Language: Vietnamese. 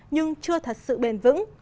nhưng chưa thật sự bền vững